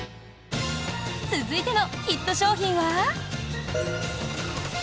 続いてのヒット商品は。